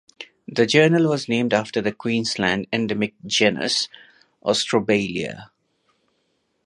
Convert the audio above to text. The journal was named after the Queensland endemic genus "Austrobaileya".